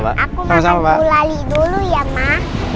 aku makan gulali dulu ya mak